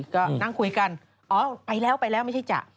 ก็นั่งคุยกันอ๋อไปแล้วไม่ใช่จ๊ะ